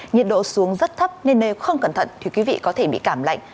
nhiệt độ xuống rất thấp nên nếu không cẩn thận thì quý vị có thể bị cảm lạnh